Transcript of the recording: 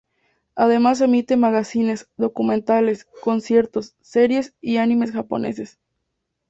Además emite magacines, documentales, conciertos, series y animes japoneses..